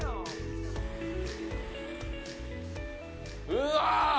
うわ！